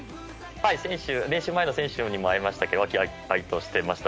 練習前の選手にも会えましたが和気あいあいとしていました。